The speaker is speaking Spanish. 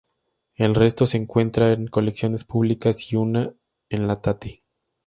El resto se encuentran en colecciones públicas y una en la Tate.